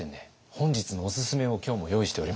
本日のおすすめを今日も用意しております。